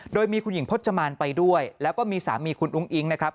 โดยมีคุณหญิงพจมานไปด้วยแล้วก็มีสามีคุณอุ้งอิ๊งนะครับ